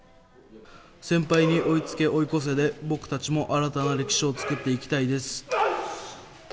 先輩に追い付け追い越せで僕たちも新たな歴史を作っていきたいです。